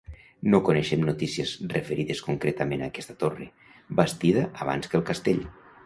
No coneixem notícies referides concretament a aquesta torre, bastida abans que el castell.